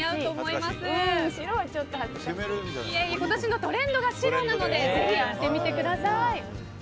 今年のトレンドが白なのでぜひ、やってみてください。